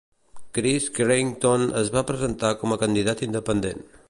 Chris Creighton es va presentar com a candidat independent.